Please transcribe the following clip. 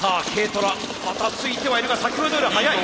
トラばたついてはいるが先ほどよりは速い。